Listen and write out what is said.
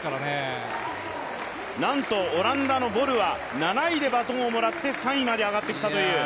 なんとオランダのボルは７位までバトンをもらって３位まで上がってきたという。